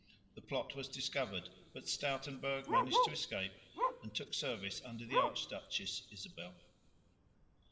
The plot was discovered, but Stoutenberg managed to escape and took service under the Archduchess Isabel.